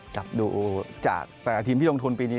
จับดูจาก๘ทีมที่ลงทุนปีนี้